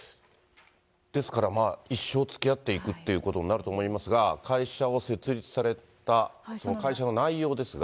ですから、一生つきあっていくということになると思いますが、会社を設立された、その会社の内容ですが。